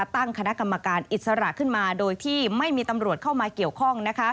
ตั้งคณะกรรมการอิสระขึ้นมาโดยที่ไม่มีตำรวจเข้ามาเกี่ยวข้อง